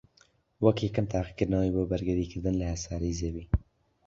وەک یەکەم تاقیکردنەوەی بۆ بەرگریکردن لە هەسارەی زەوی